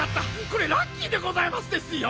これラッキーでございますですよ。